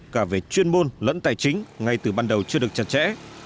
cả về chuyên môn lẫn tài chính ngay từ ban đầu chưa được chặt chẽ